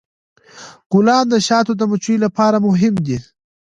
ګلان د شاتو د مچیو لپاره مهم دي.